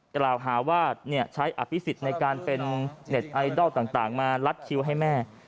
กล่าวหาว่าใช้อภิษฎในการเป็นเน็ตไอดอลต่างมาลัดคิวให้แม่